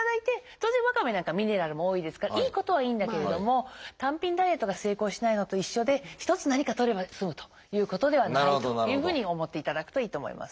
当然ワカメなんかはミネラルも多いですからいいことはいいんだけれども単品ダイエットが成功しないのと一緒で一つ何かとれば済むということではないというふうに思っていただくといいと思います。